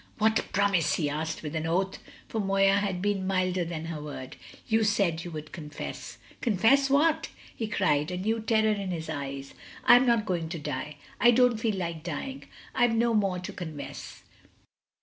"What promise?" he asked with an oath, for Moya had been milder than her word. "You said you would confess." "Confess what?" he cried, a new terror in his eyes. "I'm not going to die! I don't feel like dying! I've no more to confess!"